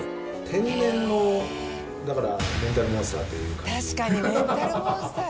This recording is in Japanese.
天然の、だからメンタルモンスターという感じ。